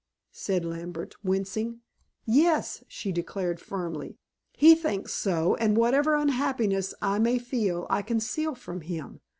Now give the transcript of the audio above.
said Lambert wincing. "Yes," she declared firmly. "He thinks so, and whatever unhappiness I may feel, I conceal from him.